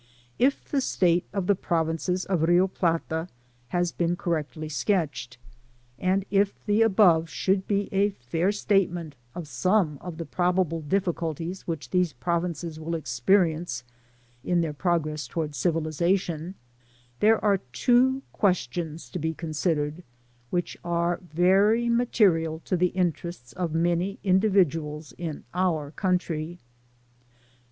If the state c^ the provinces €i£ Bb Plata has been correctly gk^ched, and if the above should be a fair statement of sc^ne of the probable difficultiee y/Adiii these province will exp^enee in their pro gress towards civilisation, there ar© two quQstion« to be ccmsid^^i which are v^ry material to th^ interests of many individuals in our country.